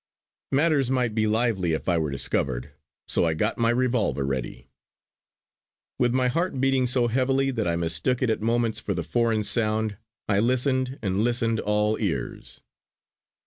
Matters might be lively if I were discovered; so I got my revolver ready. With my heart beating so heavily that I mistook it at moments for the foreign sound, I listened and listened, all ears.